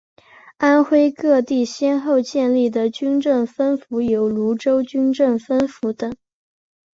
安徽各地先后建立的军政分府有庐州军政分府等。